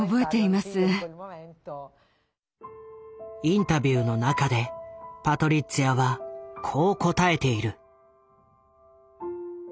インタビューの中でパトリッツィアはこう答えている。